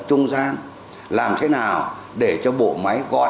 trong bốn nghị quyết đó